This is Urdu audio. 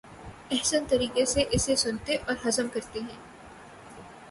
احسن طریقے سے اسے سنتے اور ہضم کرتے ہیں۔